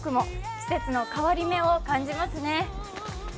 季節の変わり目を感じますね。